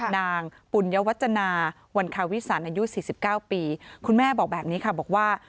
ปุญยวัจจนาวันคาวิสันอายุ๔๙ปีคุณแม่บอกแบบนี้ค่ะบอกว่า